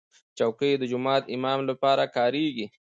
چوکۍ د جومات امام لپاره کارېږي.